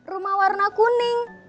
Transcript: rumah warna kuning